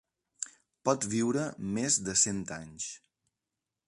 Pot viure més de cent anys.